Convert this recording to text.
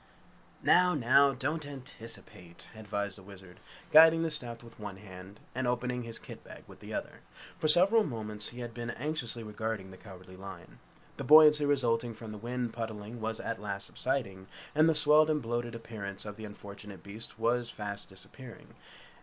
"Now, now, don't anticipate!" advised the Wizard, guiding the staff with one hand and opening his kit bag with the other. For several moments he had been anxiously regarding the Cowardly Lion. The buoyancy resulting from the wind pudding was at last subsiding, and the swelled and bloated appearance of the unfortunate beast was fast disappearing.